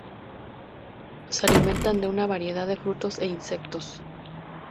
Se alimentan de una variedad de frutos e insectos.